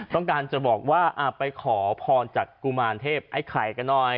ต้องการจะบอกว่าไปขอพรจากกุมารเทพไอ้ไข่กันหน่อย